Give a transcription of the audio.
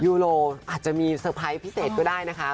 ยูโรอาจจะมีเซอร์ไพรส์พิเศษก็ได้นะคะ